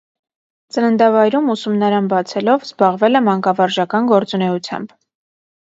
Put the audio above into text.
Ծննդավայրում ուսումնարան բացելով՝ զբաղվել է մանկավարժական գործունեությամբ։